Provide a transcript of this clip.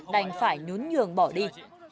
đành phải nhún nhường bỏ đi